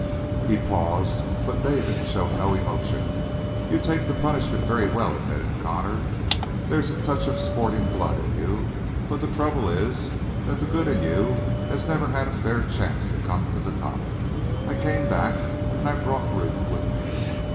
He paused; but David showed no emotion. "You take the punishment very well," admitted Connor. "There's a touch of sporting blood in you, but the trouble is that the good in you has never had a fair chance to come to the top. I came back, and I brought Ruth with me.